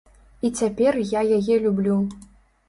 І цяпер я яе люблю.